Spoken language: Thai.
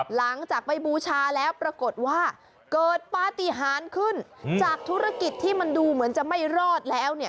หลังจากไปบูชาแล้วปรากฏว่าเกิดปฏิหารขึ้นจากธุรกิจที่มันดูเหมือนจะไม่รอดแล้วเนี่ย